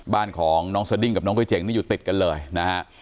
บ้านของน้องสดิ้งกับน้องก๋วยเจ๋งนี่อยู่ติดกันเลยนะฮะ